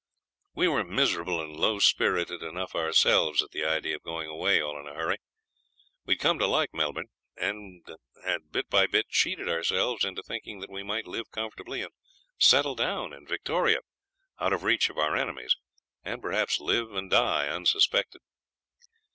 We were miserable and low spirited enough ourselves at the idea of going away all in a hurry. We had come to like Melbourne, and had bit by bit cheated ourselves into thinking that we might live comfortably and settle down in Victoria, out of reach of our enemies, and perhaps live and die unsuspected.